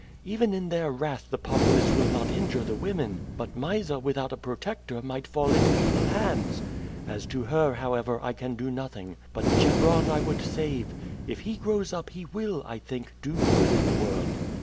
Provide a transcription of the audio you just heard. Even in their wrath the populace will not injure the women, but Mysa without a protector might fall into evil hands. As to her, however, I can do nothing; but Chebron I would save. If he grows up he will, I think, do good in the world.